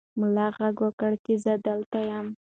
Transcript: ملا غږ وکړ چې زه دلته یم.